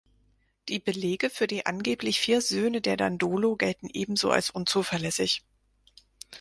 Die Belege für die angeblich vier Söhne der Dandolo gelten ebenso als unzuverlässig.